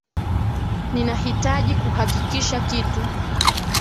Ninahitaji kuhakikisha kitu.